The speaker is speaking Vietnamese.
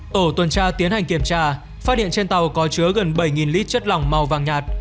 tổ tuần tra tiến hành kiểm tra phát hiện trên tàu có chứa gần bảy lít chất lỏng màu vàng nhạt